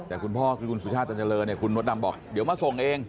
แต่คุณพ่อคือคุณสุชาติตันเจริญเนี่ยคุณมดดำบอกเดี๋ยวมาส่งเอง